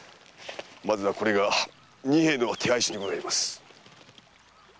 まずはこれが仁兵衛の手配書でございます。